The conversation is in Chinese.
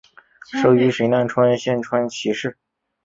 生于神奈川县川崎市。